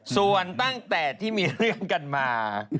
ส่วนตั้งแต่ที่มีเรื่องกันมา